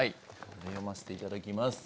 読ませていただきます。